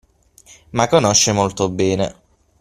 ma conosce molto bene